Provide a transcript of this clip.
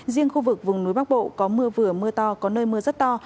riêng khu vực vùng núi bắc bộ có mưa vừa mưa to có nơi mưa rất to